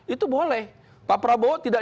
itu boleh pak prabowo tidak